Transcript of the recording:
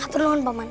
satu doang paman